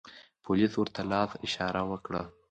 پولیس ورته لاس اشاره و کړه.